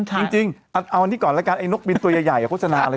จริงเอาอันนี้ก่อนแล้วกันไอ้นกบินตัวใหญ่โฆษณาอะไร